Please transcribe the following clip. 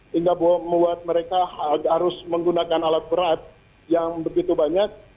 sehingga membuat mereka harus menggunakan alat berat yang begitu banyak